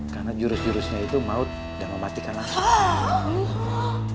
karena jurus jurusnya itu maut dan mematikan langkah